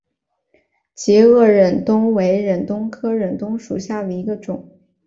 截萼忍冬为忍冬科忍冬属下的一个种。